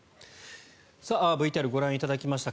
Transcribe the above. ＶＴＲご覧いただきました。